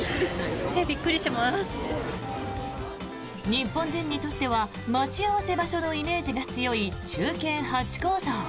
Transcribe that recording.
日本人にとっては待ち合わせ場所のイメージが強い忠犬ハチ公像。